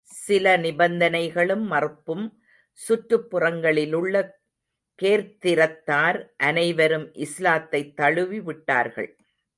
சில நிபந்தனைகளும் மறுப்பும் சுற்றுப் புறங்களிலுள்ள கேர்த்திரத்தார் அனைவரும் இஸ்லாத்தைத் தழுவி விட்டார்கள்.